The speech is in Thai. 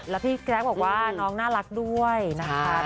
แล้วพี่แกรกบอกว่าน้องน่ารักด้วยนะคะ